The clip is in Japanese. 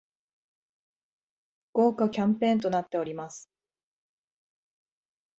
豪華キャンペーンとなっております